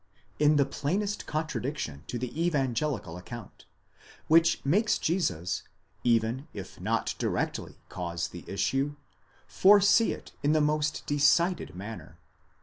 in the plainest contradiction to the evangelical account, which makes Jesus, even if not directly cause the issue, foresee it in the most decided manner.